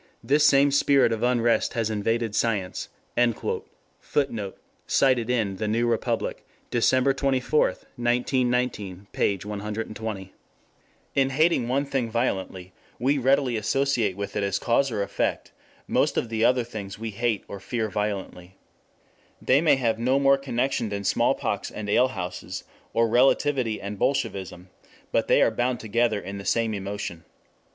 This same spirit of unrest has invaded science." [Footnote: Cited in The New Republic, Dec. 24, 1919, p. 120.] In hating one thing violently, we readily associate with it as cause or effect most of the other things we hate or fear violently. They may have no more connection than smallpox and alehouses, or Relativity and Bolshevism, but they are bound together in the same emotion.